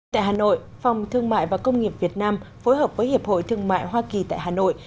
tại hà nội phòng thương mại và công nghiệp việt nam phối hợp với hiệp hội thương mại hoa kỳ tại hà nội